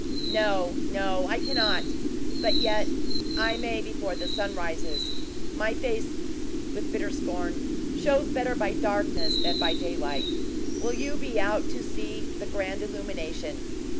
"No, no I cannot! But yet, I may before the sun rises. My face" with bitter scorn "shows better by darkness than by daylight. Will you be out to see, the grand illumination."